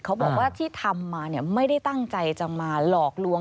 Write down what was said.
เขาบอกว่าที่ทำมาเนี่ยไม่ได้ตั้งใจจะมาหลอกลวง